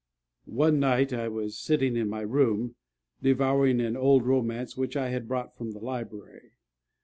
_ One night I was sitting in my room, devouring an old romance which I had brought from the library.